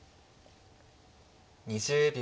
２０秒。